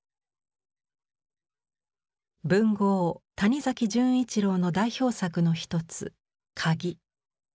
文豪谷崎潤一郎の代表作の一つ「鍵」。